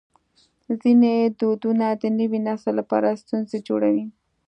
ځینې دودونه د نوي نسل لپاره ستونزې جوړوي.